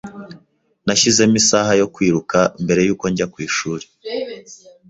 Nashyizemo isaha yo kwiruka mbere yuko njya ku ishuri.